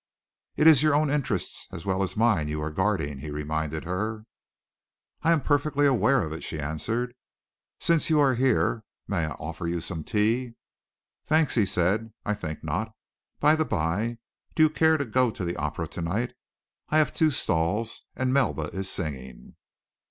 "It is your own interests as well as mine you are guarding," he reminded her. "I am perfectly aware of it," she answered. "Since you are here, may I offer you some tea?" "Thanks," he said, "I think not. By the bye, do you care to go to the Opera to night? I have two stalls, and Melba is singing."